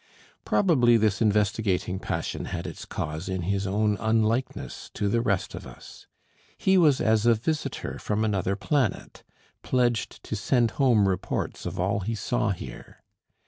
Probably this investigating passion had its cause in his own unlikeness to the rest of us: he was as a visitor from another planet, pledged to send home reports of all he saw here.